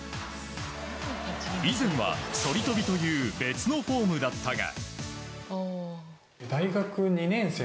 以前は、反り跳びという別のフォームだったが。